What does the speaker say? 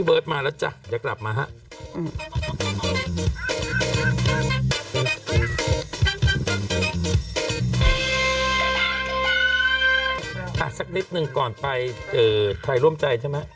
สักนิดหนึ่งก่อนไปไทยร่วมใจใช่ไหม